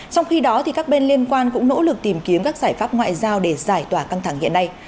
trong khi đó các bên liên quan cũng nỗ lực tìm kiếm các giải pháp ngoại giao để giải tỏa căng thẳng hiện nay